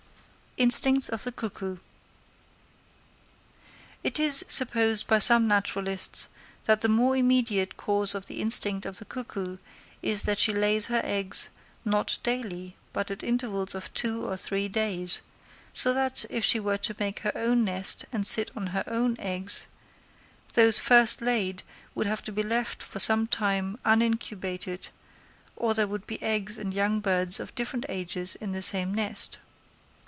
Instincts of the Cuckoo.—It is supposed by some naturalists that the more immediate cause of the instinct of the cuckoo is that she lays her eggs, not daily, but at intervals of two or three days; so that, if she were to make her own nest and sit on her own eggs, those first laid would have to be left for some time unincubated or there would be eggs and young birds of different ages in the same nest.